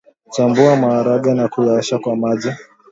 Chambua maharage na kuyaosha kwa maji